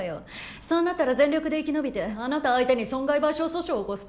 そうなったら全力で生き延びてあなた相手に損害賠償訴訟起こすから。